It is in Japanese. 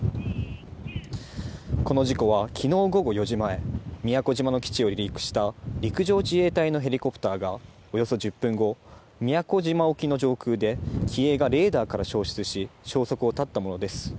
この事故はきのう午後４時前、宮古島の基地を離陸した陸上自衛隊のヘリコプターがおよそ１０分後、宮古島沖の上空で機影がレーダーから消失し、消息を絶ったものです。